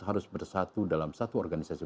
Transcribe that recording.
harus bersatu dalam satu organisasi